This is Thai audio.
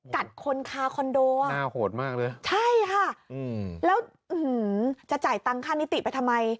กัดคนคาคอนโดใช่ค่ะแล้วจะจ่ายตังค่านิติไปทำไม